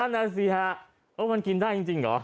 เออท่านนาสีฮะว่ามันกินได้จริงเหรอ